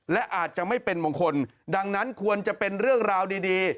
และอาจจะไม่เป็นมงคลดังนั้นควรจะเป็นเรื่องราวดี